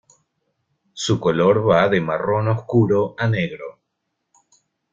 Su color va de marrón oscuro a negro.